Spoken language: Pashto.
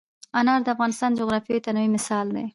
انار د افغانستان د جغرافیوي تنوع مثال دی.